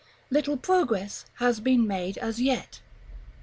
Little progress has been made as yet.